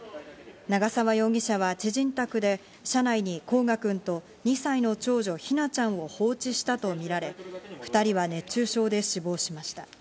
長沢容疑者は知人宅で車内に煌翔くんと２歳の長女・姫梛ちゃんを放置したとみられ、２人は熱中症で死亡しました。